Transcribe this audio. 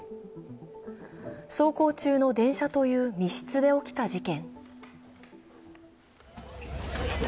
走行中の電車という密室で起きた事件。